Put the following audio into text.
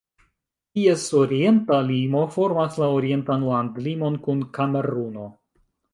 Ties orienta limo formas la orientan landlimon kun Kameruno.